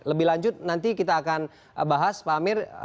lebih lanjut nanti kita akan bahas pak amir